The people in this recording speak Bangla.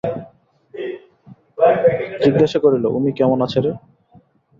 জিজ্ঞাসা করিল, উমি কেমন আছে রে?